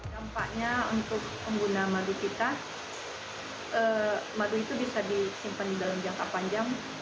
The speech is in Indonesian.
dampaknya untuk pengguna madu kita madu itu bisa disimpan di dalam jangka panjang